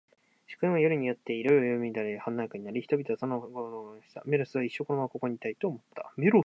祝宴は、夜に入っていよいよ乱れ華やかになり、人々は、外の豪雨を全く気にしなくなった。メロスは、一生このままここにいたい、と思った。